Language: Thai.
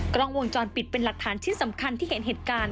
กล้องวงจรปิดเป็นหลักฐานชิ้นสำคัญที่เห็นเหตุการณ์